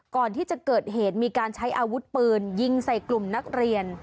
ก่อนที่จะเกิดเหตุมีการใช้อาวุธปืนยิงใส่กลุ่มนักเรียน